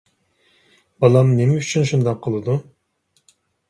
بالام نېمە ئۈچۈن شۇنداق قىلىدۇ؟